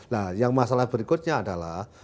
nah yang masalah berikutnya adalah